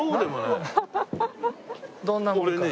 どんなもんか。